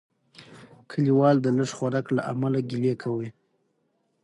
کلیوال د لږ خوراک له امله ګیلې کوي.